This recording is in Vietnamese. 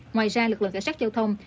ngoài ra lực lượng cả sát giao thông